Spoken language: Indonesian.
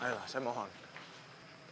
ayolah saya mau hantar